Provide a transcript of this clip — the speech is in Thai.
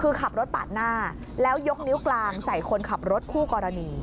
คือขับรถปาดหน้าแล้วยกนิ้วกลางใส่คนขับรถคู่กรณี